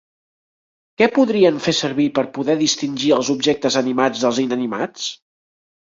Què podrien fen servir per poder distingir els objectes animats dels inanimats?